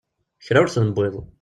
Kra ur t-newwiḍ.